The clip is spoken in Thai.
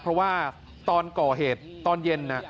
เพราะว่าตอนก่อเหตุตอนเย็น